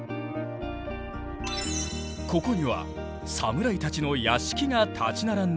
ここには侍たちの屋敷が立ち並んでいた。